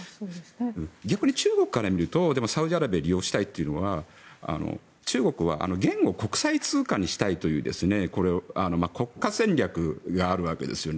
逆に中国から見るとサウジアラビアを利用したいというのは中国は元を国際通貨にしたいという国家戦略があるわけですよね。